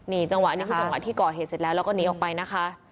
นี่จังหวะนี้คือจังหวะที่ก่อเหตุเสร็จแล้วแล้วก็หนีออกไปนะคะ